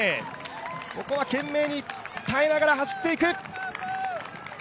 ここは懸命に耐えながら走っていく。